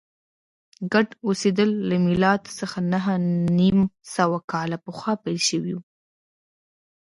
ګډ اوسېدل له میلاد څخه نهه نیم سوه کاله پخوا پیل شوي و